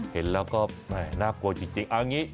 เห็นแล้วก็น่ากลัวจริง